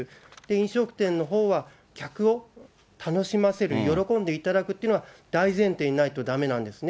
飲食店のほうは客を楽しませる、喜んでいただくというのは大前提にないとだめなんですね。